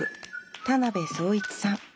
田邊宗一さん。